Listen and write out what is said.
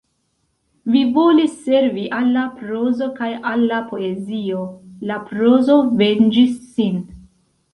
Vi volis servi al la prozo kaj al la poezio; la prozo venĝis sin.